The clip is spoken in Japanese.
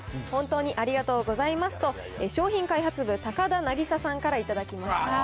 本当にありがとうございますと、商品開発部、たかだなぎささんから頂きました。